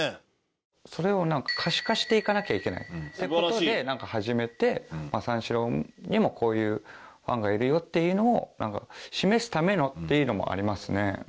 それを可視化していかなきゃいけないって事で始めて三四郎にもこういうファンがいるよっていうのを示すためのっていうのもありますね。